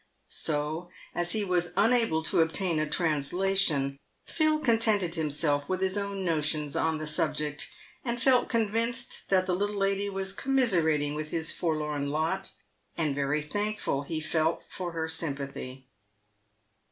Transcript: So, as he was unable to obtain a trans lation, Phil contented himself with his own notions on the subject, and felt convinced that the little lady was commiseratiug with his forlorn lot, and very thankful he felt for her sympathy.